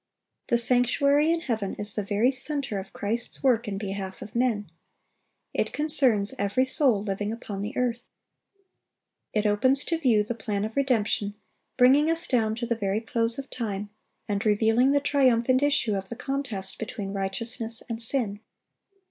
The sanctuary in heaven is the very center of Christ's work in behalf of men. It concerns every soul living upon the earth. It opens to view the plan of redemption, bringing us down to the very close of time, and revealing the triumphant issue of the contest between righteousness and sin.